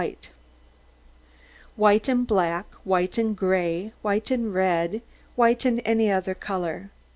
WHITE AND BLACK, WHITE AND GRAY, WHITE AND RED, WHITE AND ANY OTHER COLOUR.